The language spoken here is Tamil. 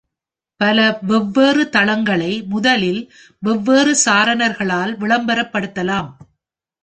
பல வெவ்வேறு தளங்களை முதலில் வெவ்வேறு சாரணர்களால் விளம்பரப்படுத்தலாம்.